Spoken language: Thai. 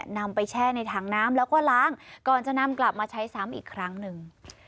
นำไปแช่ในถังน้ำแล้วก็ล้างก่อนจะนำกลับมาใช้ซ้ำอีกครั้งหนึ่ง